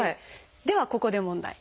ではここで問題。